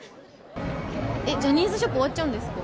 えっ、ジャニーズショップ終わっちゃうんですか？